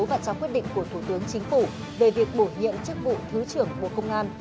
và trao quyết định của thủ tướng chính phủ về việc bổ nhiệm chức vụ thứ trưởng bộ công an